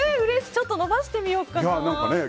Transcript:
ちょっと伸ばしてみようかな。